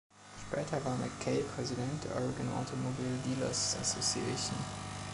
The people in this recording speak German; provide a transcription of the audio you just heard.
Später war McKay Präsident der Oregon Automobile Dealer's Association.